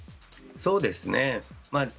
そうです。